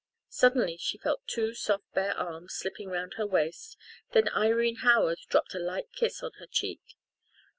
Suddenly she felt two soft bare arms slipping round her waist, then Irene Howard dropped a light kiss on her cheek.